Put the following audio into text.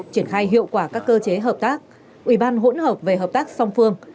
triển khai hiệu quả các cơ chế hợp tác ủy ban hỗn hợp về hợp tác song phương